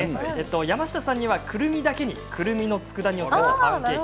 山下さんには久留美だけにくるみのつくだ煮を使ったパンケーキ。